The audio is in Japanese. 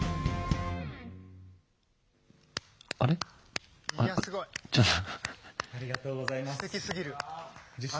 ありがとうございます。